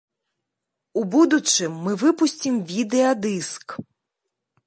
У будучым мы выпусцім відэа-дыск.